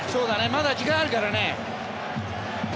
まだ時間があるからね。